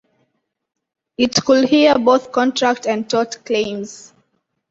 It could hear both contract and tort claims.